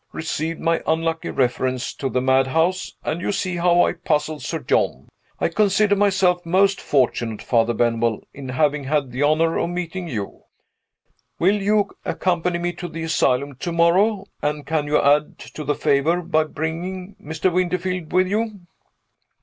received my unlucky reference to the madhouse; and you saw how I puzzled Sir John. I consider myself most fortunate, Father Benwell, in having had the honor of meeting you. Will you accompany me to the asylum to morrow? And can you add to the favor by bringing Mr. Winterfield with you?"